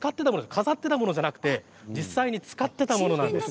飾っていたものではなく使っていたものなんです。